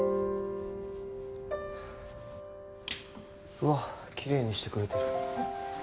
うわきれいにしてくれてる。